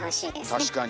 確かに。